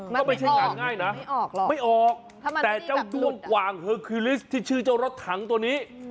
ก็ไม่ใช่งานง่ายนะไม่ออกแต่เจ้าด้วงกว่างเธอคือลิสต์ที่ชื่อเจ้ารถถังตัวนี้